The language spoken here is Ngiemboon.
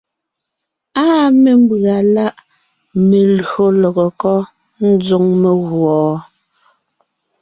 Áa mémbʉ̀a láʼ melÿò lɔgɔ kɔ́ ńzoŋ meguɔ?